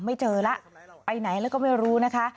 ไม่เจอแล้วไปไหนแล้วก็ไม่รู้นะคะ